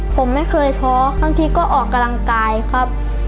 ผมไม่เคยท้อบางทีก็ออกกำลังกายครับ